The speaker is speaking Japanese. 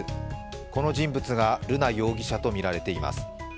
この人物が瑠奈容疑者とみられています。